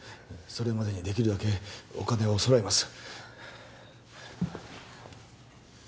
それまでにできるだけお金を揃えます